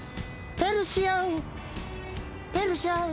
ペルシャン。